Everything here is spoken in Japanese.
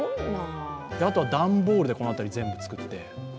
あとは段ボールでこの辺りを全部作って。